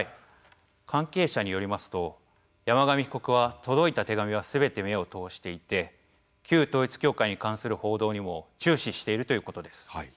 関係者によりますと山上被告は、届いた手紙はすべて目を通していて旧統一教会に関する報道にも注視しているということです。